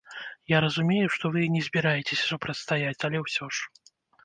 Я разумею, што вы і не збіраецеся супрацьстаяць, але ўсё ж?